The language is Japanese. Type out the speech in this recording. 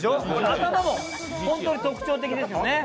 頭も本当に特徴的ですよね。